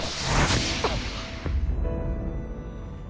あっ！